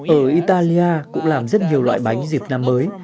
ở italia cũng làm rất nhiều loại bánh dịp năm mới